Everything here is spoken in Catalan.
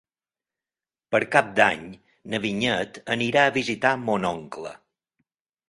Per Cap d'Any na Vinyet anirà a visitar mon oncle.